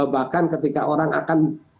bahkan ketika orang akan